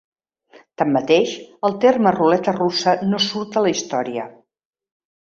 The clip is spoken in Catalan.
Tanmateix, el terme "Ruleta russa" no surt a la història.